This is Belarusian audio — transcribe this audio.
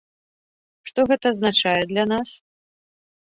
Што гэта азначае для нас?